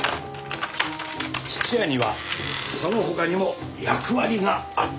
質屋にはその他にも役割がある。